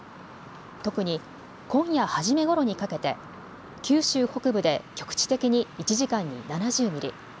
特に今夜初めごろにかけて九州北部で局地的に１時間に７０ミリ